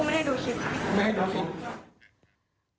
ไม่ให้ดูคลิป